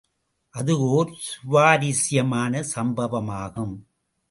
அது ஒர் சுவாரசியமான சம்பவமாகும்.